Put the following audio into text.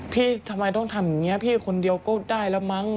พี่ทำไมต้องทำอย่างนี้พี่คนเดียวก็ได้แล้วมั้ง